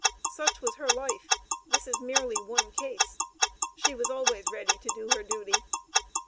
Such was her life. This is merely one case. She was always ready to do her duty.